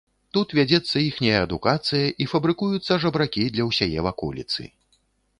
Тут вядзецца іхняя адукацыя і фабрыкуюцца жабракі для ўсяе ваколіцы.